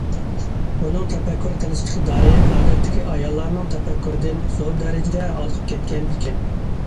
ئۇنىڭ تەپەككۇر قىلىش ئىقتىدارى ئادەتتىكى ئاياللارنىڭ تەپەككۇرىدىن زور دەرىجىدە ھالقىپ كەتكەن ئىكەن.